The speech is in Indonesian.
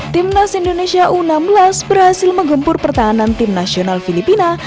timnas indonesia u enam belas berhasil menggempur pertahanan tim nasional filipina